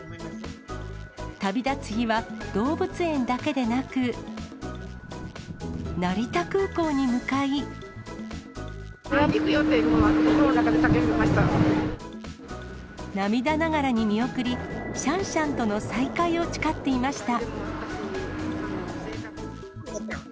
旅立つ日は、動物園だけでなく、会いに行くよって、心の中で涙ながらに見送り、シャンシャンとの再会を誓っていました。